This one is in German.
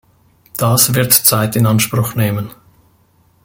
Das wird Zeit in Anspruch nehmen.